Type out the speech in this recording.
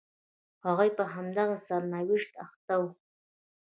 هغوی په همدغه سرنوشت اخته وو.